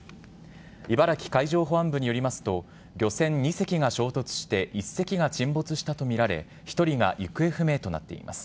茨城海上保安部によりますと、漁船２隻が衝突して１隻が沈没したと見られ、１人が行方不明となっています。